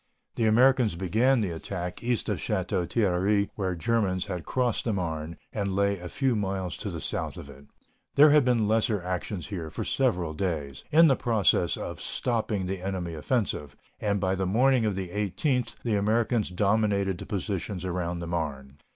The Americans began the attack east of Château Thierry, where the Germans had crossed the Marne and lay a few miles to the south of it. There had been lesser actions here for several days, in the process of stopping the enemy offensive, and by the morning of the 18th the Americans dominated the positions around the Marne.